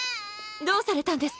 どうされたんですか？